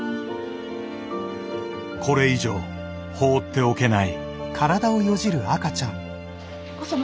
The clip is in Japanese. これ以上放っておけない。